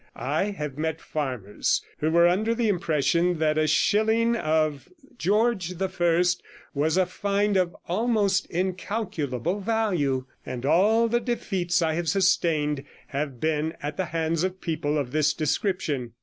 I have met farmers who were under the impression that a shilling of George the First was a find of almost incalculable value; and all the defeats I have sustained have been at the hands of people of this description.